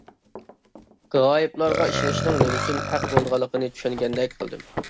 غايىبلارغا ئىشىنىشنىڭ نېمە ئۈچۈن ھەق بولىدىغانلىقىنى چۈشەنگەندەك قىلدىم.